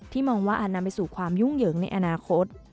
มองว่าอาจนำไปสู่ความยุ่งเหยิงในอนาคต